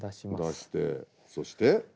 出してそして。